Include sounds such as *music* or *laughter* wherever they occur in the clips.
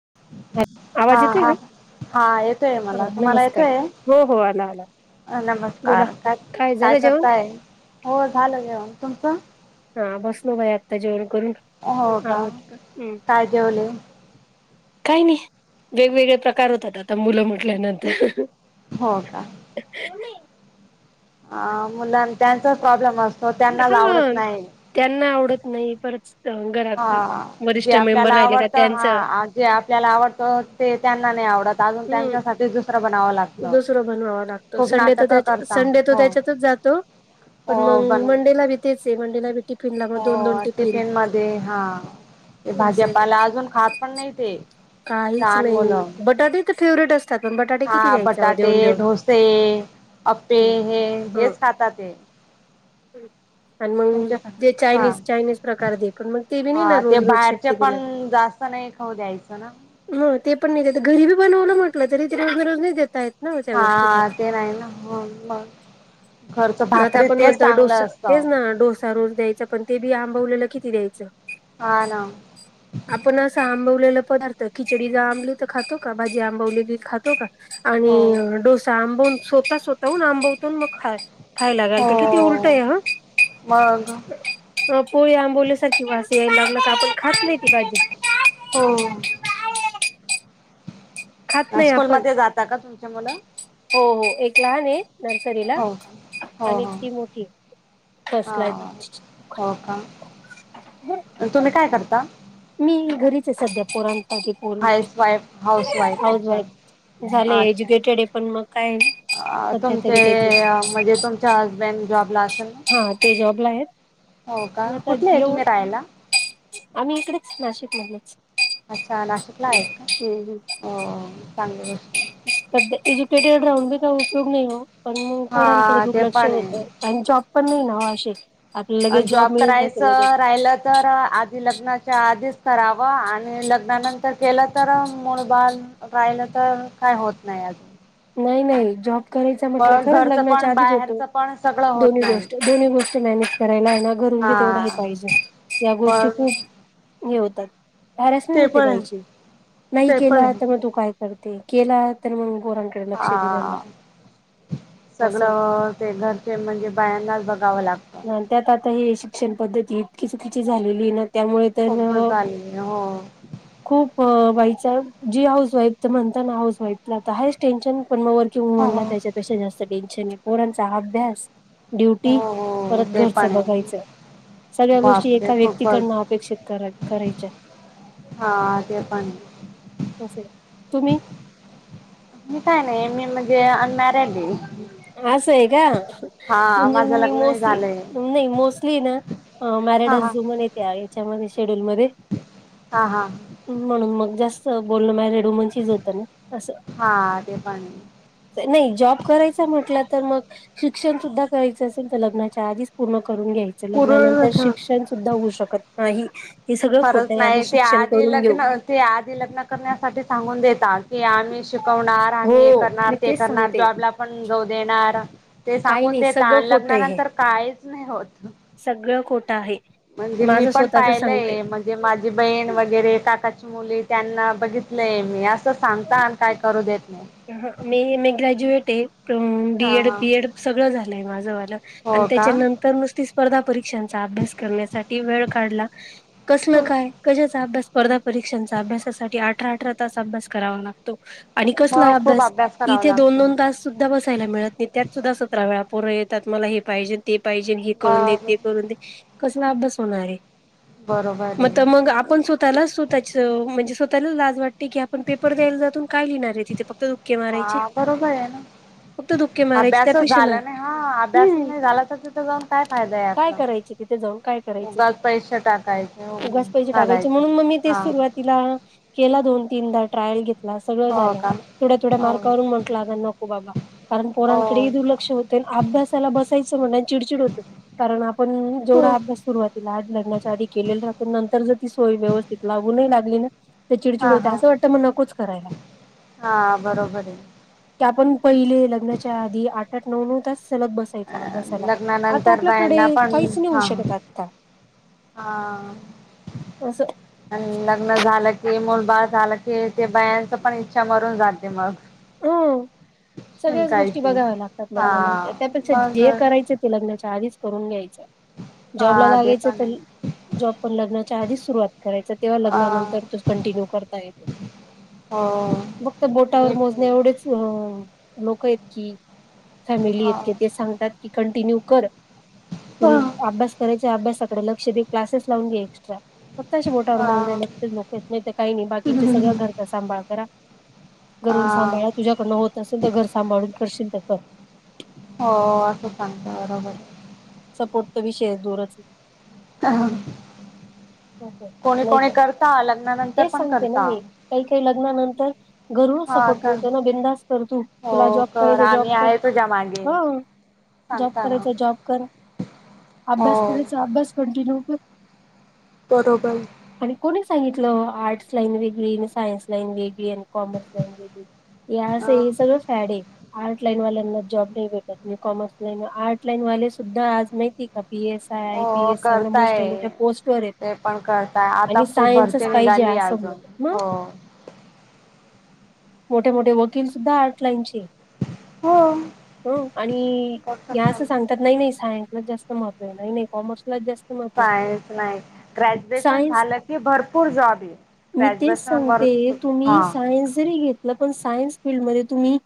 *inaudible* का? हां-हां, हां येतोय हा मला. तुम्हाला नमस्कार येतोय? हो हो आला आला अं बोला. नमस्कार काय काय झालं जेवण? करताय? हो झालं जेवन तुमचं? हां बस न बाय आत्ता जेवन. हो का काजवले. काही नाही वेगवेगळे प्रकार होतात आता मुलं म्हटल्यानंतर. हो का? अं मुलान त्यांचा प्रॉब्लेम असतो त्यांनाच आवडत नाही. नई परत. अ, घरात हां जे वरिष्ठ मेंबर आपल्याला राहिले का आवडतं, त्यांचं हां जे आपल्याला आवडतं ते त्यांना नाही आवडत. आजून हम्म त्यांच्यासाठी दुसरा दुसरं बनवावा लागतं. संडे नाटकं तच्या, करता संडे त हो त्याच्यातच जातं. हो पण मंग बनव मंडेला बी तेच ए, मंडेला बी टीप हो टिफिन मध्ये हां. ते भाजी असे पाला अजून खात पण नाही ते. काहीच लहान नाही, मुलं बटाटे त फेवरेट असतात अन बटाटे ची हां बटाटे, ढोसे, आप्पे, हम्म हे हेच हम्म. खातात ते. आणि मग तुमच्या संग. दे हां, चायनीज चायनीज प्रकार दे पण मग ते बी नाही ना हां ते रोज रोज बाहेरचे शक्य देणार. पण जास्त नाही नई खाऊ द्यायचं ना. हो ते पण नगद घरीबी बनवलं म्हटलं तरी त दररोज नई देता येत. ना त्या गोष्टी पण हां ते नाही ना हो म. आता आपण म्हणतं डोसा असतं तेच ना डोसा रोज द्यायचा पण ते बी आम. बोलेलं किती द्यायचं? हां ना. लेलं पदार्थ, खिचडी ज आंबली त खातो का? भाजी आंबवलेली खातो का? आणि हो डोसा आंबून सोता सोताहून आंबवतोन मग खा खायला हो घालतं किती उलटं आहे हां. मग पोळी आंबवल्या सारखी वास यायला लाग का आपण खात नई ती भाजी? हो आं स्कूलमध्ये जाता का तुमची मुलं? हो-हो एक लहान हे नर्सरीला. हो का हो आणि हो ती मोठी हे. हा फसलाय हो का *unintelligible* तुम्ही काय करता मी घरीचे सध्या पोराण पाकी पोरण, हाऊस वाईफ हाऊस हाऊस अच्छा वाईफ. झालं एज्युकेटेड हे पण मग काय? अं सध्या तुमचे तरी म्हणजे तुमचे हसबंड जॉब हां ते जॉबला आहेत. हो का? मग आता कुठले हे येऊ तुम्ही रायला? आम्ही इकडेच नाशिकमधलेच. अच्छा नाशिकला आहेत का? अं एज्युकेटेड राहून बी का उपयोग नाही हो. पण पोरांकडे हा ते दुर्लक्ष पण होत, आहे आणि जॉब पण नाही ना हो असे आपल्याला लगेच जॉब मिळून जाते लगेच करायचं राहिलं तर आधी लग्नाच्या आधीच कराव आणि लग्नानंतर केलं तर मूळ बाल राहिलं तर काय होत नाही अजून. नाही नाही जॉब करायच म्हटलं मग खरच घरचं लगनाच्या पण आधीच होत. बाहेरचं पण सगळं होत दोन्ही नाही गोष्ट दोन्ही गोष्ट मॅनेज करायला ना घर हा तुबी तेवढ्या ते पाहिजे या गोष्टी मग खूप हे होतात, हॅरसमेंट ते होते पण आहे बाईची नाही ते पण केला आहे तर मग तू काय कर ते केला तर मग पोरांकडे लक्ष दिलं नाही. हा असं होतं. सगळं ते घरचे म्हणजे बायांनाच बघावं लागतं. त्यात आता हे शिक्षण पद्धती इतकी चुकीची झालेली ना त्यामुळे तर खूपच झाली हो. खूप बाई जी हाऊस वाईफ तर ती म्हणता ना हाऊस वाईफला तर हायच टेन्शन पण मग वर्किंग हो हो. वुमनला त्याच्यापेक्षा जास्त टेन्शन आहे, पोरांचा अभ्यास, हो ड्युटी हो परत ते पण घरचं आहे बघायचं. सगळ्या गोष्टी बापरे एका खूपच. व्यक्तीकडन अपेक्षित करा करायच्या. हा अ ते पण तुम्ह? मी काय नाही मेन म्हणजे अन मॅरिड आहे. असं आहे का, हा म्हणजे माझं मी लग्न नाही झालंय. मोस्टली नाही हा हा. मैरीडच म्हणे त्या हेच्यामध्ये मध्ये हा हा म्हणून मग म जास्त बोलन हा ते पण. आहे. नाही जाॅब करायचा म्हटलं तर मग शिक्षण सुध्दा करायच असेल तर लग्नाच्या आधीच पूर्ण कर. करुन घ्यायच लग्नानंतर पुरळ शिक्षण सुद्धा होऊ शकत नाही. हे सगळं खोटं खरच आहे आम्ही नाही ते शिक्षण आधी करून घेऊ लग्न ते आधी लग्न करण्यासाठी सांगून देतात की आम्ही शिकवणार आम्ही हे हो करणार, मी ते तेच करणार, सांगते जॉबला पण जाऊ देणार. ते काही सांगून नाही देता सगळं आणि खोटं आहे हे लग्नानंतर काहीच नाही होत. सगळं खोटं आहे म्हणजे मी माझं पण स्वतःच सांगते. पाहिलंय म्हणजे माझी बहीण वगैरे काकाची मुली त्यांना बघितलंय मी असं सांगता आणि काय करू देत नाहीत.. ह मी मी ग्रॅज्युएट आहे. डी‌ एड हा बी एड सगळं झालंय माझंवालं आणि हो का त्याच्यानंतर म त स्पर्धा परीक्षा परीक्षांचा अभ्यास करण्यासाठी वेळ काढला कसल काय कशाचा अभ्यास स्पर्धा परीक्षांचा अभ्यासासाठी अठरा-अठरा तास अभ्यास करावा लागतो आणि मग खूप अभ्यास करावा इथे दोन लागतो दोन तास सुद्धा बसायला मिळत नाही त्यात सुद्धा सतरा व्याप पोरं येतात मला हे पाहिजे, ते पाहिजे, हे करून दे, मग ते करून दे, कसला अभ्यास होणार आहे. बरोबर म आहे मग आपण स्वतःलावतःच म्हणजे त्याला लाज वाटते की आपण पेपर द्यायला जातून काय लिहिणार आहे तिथ हा बरोबर आहे ना. फक्त धुक्के मारायचे अभ्यासच त्यापेक्षा ना झाला नाही हा. अभ्यासच हम्म नाही झाला तर तिथं जाऊन काय फायदा आहे काय आपला. करायचे तिथे जाऊन काय करायचं. उगाच पैसे टाकायचे उगच पैसे टाकायचे घालायचे म्हणून मग् मी ते हा सुरुवातीला केला दोन तीनदा ट्रायल घेतला. सगळं हो झाल. का थोड्या थोड्या हो मार्कावरून म्हटला नको बाबा कारण पोरांकडे हो ही दुर्लक्ष होतय अभ्यासाला बसायचं चिडचिड होत कारण आपण जेवढ अभ्यास सुरवातीला लग्नाच्या आधी केलेला त्यातून नंतर जर ती सोय व्यवस्थित लागूही लागली ना ते चिडचिड हा होते. हा असं वाटतं मग नकोच करायला. हा बरोबर आहे. त्या आपण पहिले लग्नाच्या आधी आठ-आठ नऊ-नऊ तास सलग बसायचो आहे अभ्यासला. आता लग्नानंतर आपल्याकडे बायांना पण काहीच नाही होऊ हा शकत आता. हा असं आणि लग्न झालं की मग बाळ झालं की ते बायाच पण इच्छा मरून जाते मग. सगळ्यांचं गोष्टी शिकायची बघाव्या लागतात हा लग्नानंतर, त्यापेक्षा मग जे करायचे ते लग्नांच्या आधीच करून घ्यायच. जॉबला हा ते लागायच पण आहे तर, जॉब पण लग्नाच्या आधी सुरुवात करायच. तेव्हा अ लग्नानंतर तो कंटिन्यू करता येतो. हो फक्त बोटावर मोज भेटून थोडेच अ लोक हेत की. फॅमिली हा इतक ते सांगतात की. कंटिन्यू कर. तु हा अभ्यास करायच्या अभ्यासाकडे लक्ष दे. क्लासेस लावून घे एक्स्ट्रा. फक्त अशे बोटावर हा मोजण्या उगचे लोकच आहे. काय नाहीत काही नाही बाकीचे सगळ्या घरचा सांभाळ करा घरून हा सांभाळ तुझ्याकडनं होत. असेल तर, घर सांभाळून करशील त कर. हो असं सांगत बरोबर आहे. तो विषय दूरच- हां. नाही तर तेच पण सांगते ना करता मी काही-काही लग्नानंतर घरून हा सपोर्ट कर मिळतो ना बिंदास कर तू, हो तुला जॉब कर करायचाय जॉब आम्ही कर आहे तुझ्या मागे हां. जॉब सांगता ना करायचाय जॉब कर, हो अभ्यास करायचा अभ्यास कंटिन्यू कर बरोबर. सांगीतल आर्टस लाईन वेगळी आणि सायन्स लाईन वेगळी आणि काॉमर्स लाईन वेगळी. या अस अ हे सगळं फॅड आहे. आर्ट लाईन वाल्यांना जॉब नाही भेटत नाही, कॉमर्स लाईन आर्ट लाईन वाले सुद्धा आज माहीतीय का? P S I I P हो एस चांगल्या करताय, मोठ्या मोठ्या पोस्ट वर आहेत ते पण करताय, आता आणि खूप सायन्सच भरती पाहिजे निघाली. हो. असं आजून म्हणतात मग हो. मोठे-मोठे वकील सुद्धा आर्ट लाईनचे आहेत. हो हो आणि या करतात असं ना सांगतात नाही-नाही सायन्स जास्त महत्व आहे, नाही नाही कॉमर्स सायन्स नाही ग्रॅज्युएशन सायन्स झालं की भरपूर जॉब आहेत. मी तेच सांगतेय, तुम्ही सायन्स जरी घेतलं तर सायन्स फिल्ड मधे तुम्ही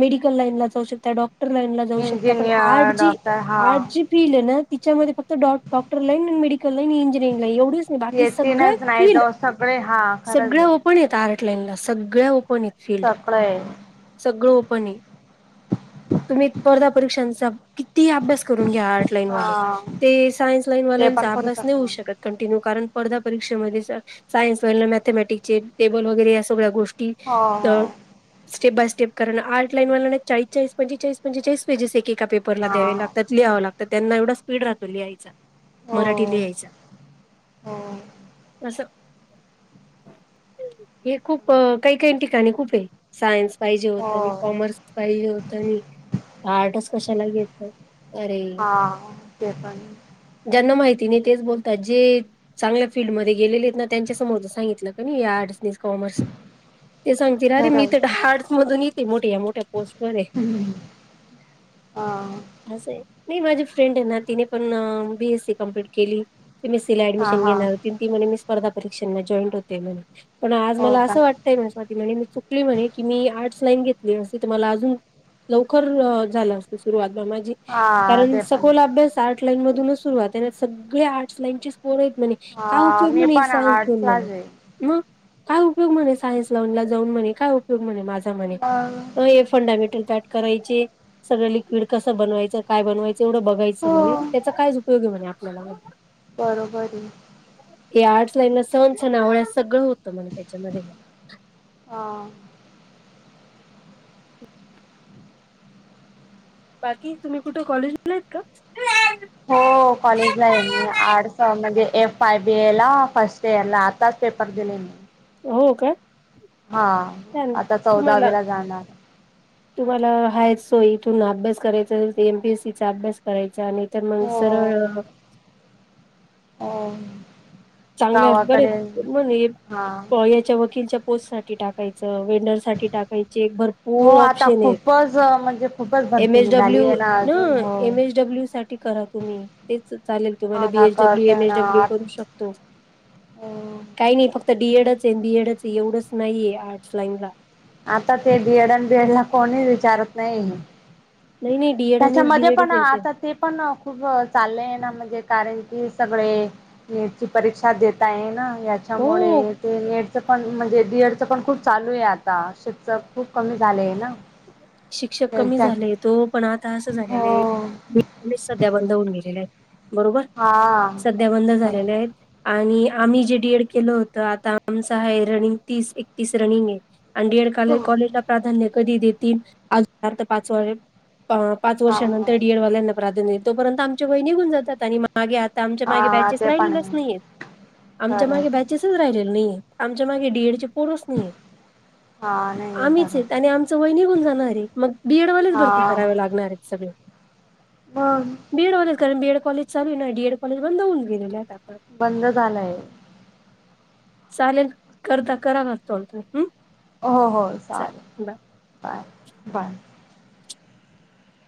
मेडिकल लाईनला जाऊ शकता, डॉक्टर र लाईन ला जाऊ शकता पण, आर्ट इंजिनियर जी डॉक्टर हा आर्ट जी फिल्ड हे ना तिच्यामध्ये फक्त डॉ डॉक्टर लईन अन मेडिकल लाईन इंजिनिअरंग नाही एवढीच नाही बाकी सगळ्या येतीलच नाही फील्ड जाऊ सगळे हा खरंच सगळ्या आहे ओपन आहेत आर्ट लाईनला सगळ्या ओपन आहेत. फील्ड सगळे सगळं ओपन आहे. तुम्ही एक स्पर्धा परीक्षांचा किती ही अभ्यास करू अ न हे आर्ट लाईन वाले हा ते सायन्स ल लाईन ते पण वाल्यांचा करू अभ्यास नाही होऊ शकतो शकत कंटीन्यू कारण स्पर्धा परीक्षेमध्ये सायन्स व मॅथमॅटिक्चे टेबल वगैरे या सगळ्या गोष्टी हो तर हो स्टेप बाय स्टेप करन आर्ट लाईन वाला्ल्लदना वरना चाळीस चाळीस पंचेचाळीस पंचेचाळीस पेजेस एक एक पेपरला हा द्यावे लागतात लिहावं लागतं त्यांना एवढा स्पीड राहतो लिहायचा. हो मराठी लिहायचा, हो अंसं. हे खूप अ काही-काहीन् ठिकाणी खूपे, सायन्स पाहिजे होतं आणि हो कॉमर्स पाहिजे होतं नी. आटच कशाला घेटलं. अरे, हा ते पण ज्यांना माहित तिने तेच बोलतात जे चांगल्या फील्डमध्ये गेलेलत ना त्यांच्या समोजं सांगितलं क नई आर्ट्स नीस् काॅम मस ते सांगतील आरे मी खरं त हार्डस मधून येते मोट् त्या मोठ्या पोस्टपोन ए, हा अंसय नी माझं फ्रेंड ए ना तिने पण बी एस सी कंप्लीट केली. एम एस सी ला हा ऍडमिशन हा घेणार होती अन् ती म्हणे मी स्प स्पर्धा परीक्षांना जॉईंट होते म्हण, पण आज हो मला का असं वाटतंय स्वाती म्हणे म ती म्हणे की मी आर्ट्स लाईन घेतली असती त मला अजून लवकर झालं असतं सुरुवात. माझी, हा कारण ते पण सखोल अभ्यास आर्ट लाईन मधूनच सुरुवात आहे ना सगळे आर्टस लाईनचेच पोरयेत म्हणे, काय हा उपयोग मी म्हणे, पण सायन घेऊन म्हणे, आर्टलाच आहे मग. काय उपयोग म्हणे, सायन्स लावन ला जाऊन म्हणे, काय उपयोग म्हणे, माझा म्हणे, मग ओय फंडामेंटल पॅट करायचे, सगळं लिक्विड कसं बनवायचं? काय बनवाय एवढं बघायचं हो म्हणे त्याचा कायच उपयोगे म्हणे आपल्याला अ बरोबर ए. या आट्स लाईन ला सण सणावळ सगळं होतं म्हणे त्याच्यामध्ये. हां बाकी? तुम्ही कुठं कॉलेजला आहेत का? हो पाय बी ए ला फस्ट इयर ला आताच पेपर दिले मी. हो काय? हा आता चौदावी ला जाणार तुम्हाला हाय सो इथून अभ्यास करायचा M P.. M P S C चा अभ्यास करायचा नाही तर मग हो सरळ हो. चांगले बर गावाकडे हा मग याच्या वकीलच्या पोस्ट साठी टाकायचं हो वेंडर साठी टाकायचीय हो भरपूर आता ऑप्शन आहे खूपच म्हणजे खूपच एम भरती एच निघाली डब्ल्यू आहे ना ह अजून हो. एम एच डब्ल्यू साठी करा तुम्ही तेच चालेल तुम्हाला हा बी ना एच डब्ल्यू एम करते एच ना. डब्ल्यू करू शकतो काही नाही फक्त डी एड च अन बी एड च एवढंच नाहीये आर्टस लाईन ला आता ते बी एड अन डि एड ला कोणी विचारत नाही नाही नाही डीएड आणि त्याच्यामध्ये पण बीएडच येते आता ते पण खूप चालल आहे ना म्हणजे कारण की सगळे नीटची परीक्षा देत आहे ना हो याच्यामुळे ते नीट पण म्हणजे डि एड च पण खूप चालू आहे आता शिक्षक खूप कमी झालेय ना शिक्षक कमी झालेत हो पण आता असं झालेले हो लेखनीच सध्या बंद होऊन गेलेत बरोबर हा सध्या बंद झालेले आहेत बरोबर आणि आम्ही जे डी एड केलं होत आता आमचं आहे रनिंग तीस एकतीस रनिंग आहे आणि डी एड काल कॉलेजला प्राधान्य कधी देतील आज पर्यंत पाच व पाच हा वर्षांनंतर डी एड वाल्यांना प्राधान्य हे तोपर्यंत आमचे वय निघून जातात आणि मग मागे आता आमच्या मागे हा बॅचेस ते पण राहिलेलेच आहे नाही आमच्या मागे खरंच बॅचेसच राहिलेले नाहीे आमच्या मागे डी एड चे पोरच नाहीयेत हा नाही आम्हीच आहेत खरंच आणि आमचं वय निघून जाणार मग बी एड वालेच भरती हा कराव लागणार आहेत सगळ मग कारण बी एड कॉलेज चालू ना डी एड कॉलेज बंद होऊन गेले ना आता बंद झालंय चालेल करता कराना चालतय हम् हो हो चालेेल बाय बाय